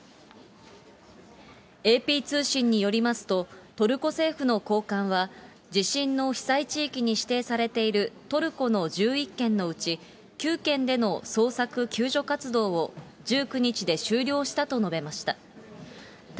ＡＰ通信によりますと、トルコ政府の高官は、地震の被災地域に指定されているトルコの１１県のうち、９県での捜索・救助活動を１９日で終了したと述べました。